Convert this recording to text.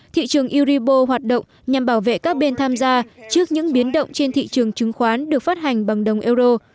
thị trường euribo hoạt động nhằm bảo vệ các bên tham gia trước những biến động trên thị trường chứng khoán được phát hành bằng đồng euro